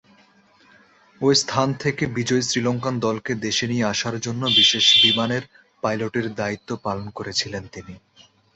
ঐ স্থান থেকে বিজয়ী শ্রীলঙ্কান দলকে দেশে নিয়ে আসার জন্য বিশেষ বিমানের পাইলটের দায়িত্ব পালন করেছিলেন তিনি।